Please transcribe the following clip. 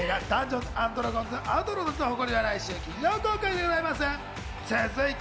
映画『ダンジョンズ＆ドラゴンズ／アウトローたちの誇り』は来週金曜公開でございます。